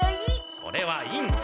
それはインコ！